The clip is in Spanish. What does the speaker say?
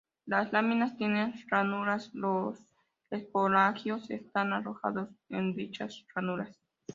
Las láminas tienen ranuras, los esporangios están alojados en dichas ranuras.